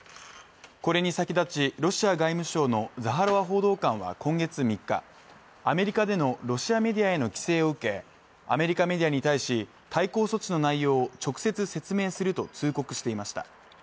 これに先立ち、ロシア外務省のザハロワ報道官は今月３日、アメリカでのロシアメディアへの規制を受け、アメリカメディアに対し対抗措置の内容を直接説明すると通告していました。